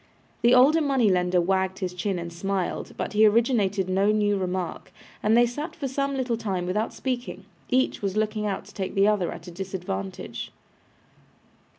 The older money lender wagged his chin and smiled, but he originated no new remark, and they sat for some little time without speaking. Each was looking out to take the other at a disadvantage.